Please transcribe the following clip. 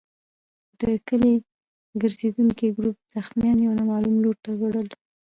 د کلي ګرزېدونکي ګروپ زخمیان يو نامعلوم لور ته وړل.